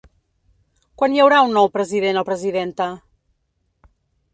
Quan hi haurà un nou president o presidenta?